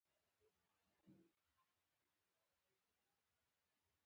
ټپي ته باید د ظلم نه نجات ورکړو.